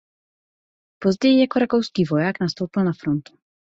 Později jako rakouský voják nastoupil na frontu.